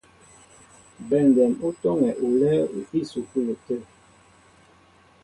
Bɛndɛm ú tɔ́ŋɛ olɛ́ɛ́ ísukúlu tə̂.